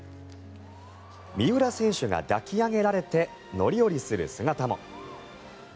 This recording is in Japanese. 三浦選手が抱き上げられて乗り降りする姿も。